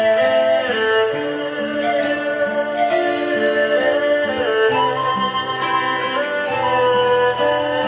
โจทย์โจทย์โจทย์